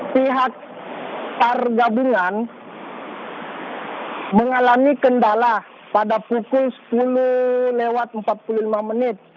pihak sar gabungan mengalami kendala pada pukul sepuluh lewat empat puluh lima menit